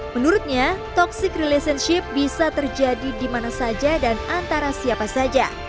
menurutnya toxic relationship bisa terjadi di mana saja dan antara siapa saja